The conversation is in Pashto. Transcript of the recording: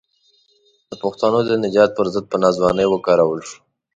د پښتنو د نجات پر ضد په ناځوانۍ وکارول شو.